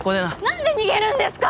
何で逃げるんですか